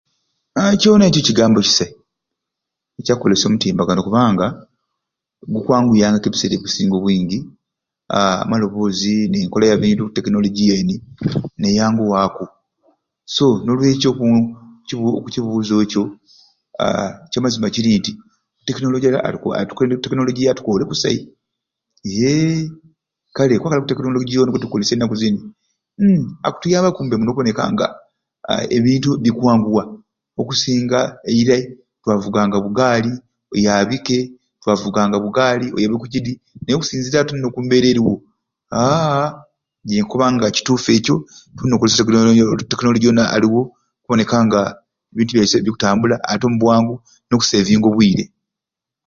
Aa kyona ekyo ekigambo kisai ekyakukolesya omutimbagano kubanga gukwanguyaku ebiseera obwingi aa amaloboozi n'enkola ya bintu tekinologiya eni neyanguwaaku so n'olwekyo ku kuki kukibuuzo ekyo aa ekyamazima kiri nti tekinologiya atu atu tekinologiya atukoore kusai yeee kale kubanga o tekinologiya gwetukukolesya enaku zini umm akutuyambaku okuboneka nga ebintu bikwanguwa okusinga eirai twavuganga bugaali oyaabike twavuganga bugaal oyabe okukidi naye okusinziira ati buni oku mbeera eriwo aaa nje nkukoba nti kituufu ekyo tulina okukolesya o tekinologiya otekinologiya oni aliwo okuboneka nga ebintu byaiswe bikutambula ate omu bwangu n'okusevinga obwire.